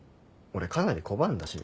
俺かなり拒んだし。